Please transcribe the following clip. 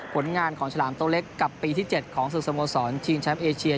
ผลงานของฉลามโตเล็กกับปีที่๗ของศึกสโมสรชิงแชมป์เอเชีย